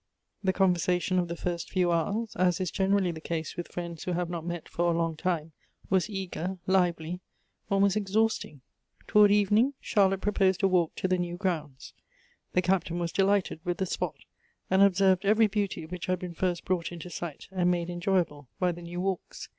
The conversation of the first few hours, as is generally the case with friends who have not met for a long time, was eager, lively, almost exhausting. Towards evening, Charlotte proposed a walk to the new grounds. The Captain was delighted with the spot, and observed every beauty which had been first brought into sight and made enjoyable by the new walks.